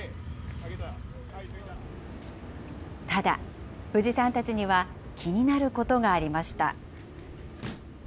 ただ、冨士さんたちには、気になることがありました。